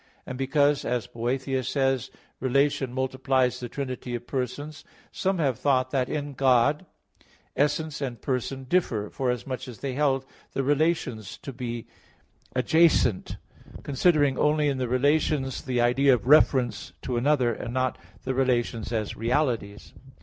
And because, as Boethius says (De Trin. i), "relation multiplies the Trinity of persons," some have thought that in God essence and person differ, forasmuch as they held the relations to be "adjacent"; considering only in the relations the idea of "reference to another," and not the relations as realities.